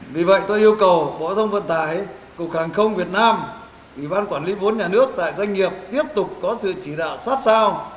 vì vậy tôi yêu cầu bộ giao thông vận tải cục hàng không việt nam ủy ban quản lý vốn nhà nước tại doanh nghiệp tiếp tục có sự chỉ đạo sát sao